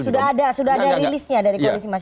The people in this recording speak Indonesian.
sudah ada sudah ada rilisnya dari